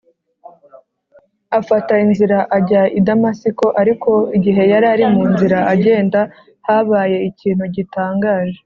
Afata inzira ajya i Damasiko ariko igihe yari ari mu nzira agenda habaye ikintu gitangaje